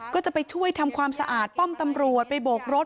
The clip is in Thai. ก็จะไปช่วยทำความสะอาดป้อมตำรวจไปโบกรถ